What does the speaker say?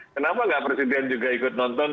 kenapa nggak presiden juga ikut nonton